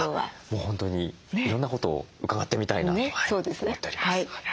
もう本当にいろんなことを伺ってみたいなと思っております。